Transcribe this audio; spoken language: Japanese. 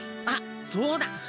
あっそうだ！